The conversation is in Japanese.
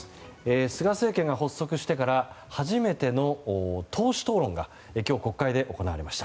菅政権が発足してから初めての党首討論が今日国会で行われました。